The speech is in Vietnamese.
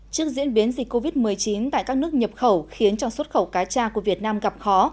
trước diễn biến dịch covid một mươi chín tại các nước nhập khẩu khiến cho xuất khẩu cá cha của việt nam gặp khó